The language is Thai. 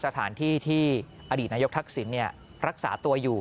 สถานที่ที่อดีตนายกทักษิณรักษาตัวอยู่